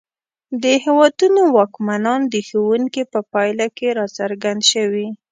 د هېوادونو واکمنان د ښوونکي په پایله کې راڅرګند شوي.